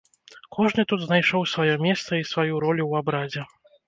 Кожны тут знайшоў сваё месца і сваю ролю ў абрадзе.